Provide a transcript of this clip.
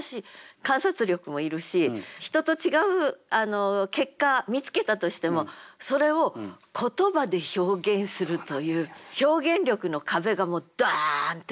観察力もいるし人と違う結果見つけたとしてもそれを言葉で表現するという表現力の壁がもうダーンッて。